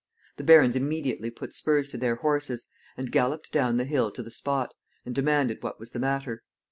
The barons immediately put spurs to their horses, and galloped down the hill to the spot, and demanded what was the matter.